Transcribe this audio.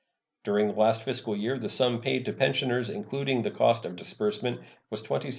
During the last fiscal year the sum paid to pensioners, including the cost of disbursement, was $27,780,811.